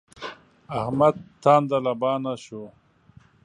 احمد تانده لبانه شو.